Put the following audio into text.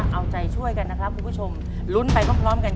เอาใจช่วยกันนะครับคุณผู้ชม